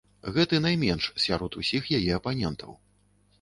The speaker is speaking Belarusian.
Гэты найменш сярод усіх яе апанентаў.